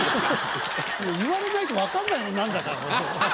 言われないと分かんないもん何だかこれ。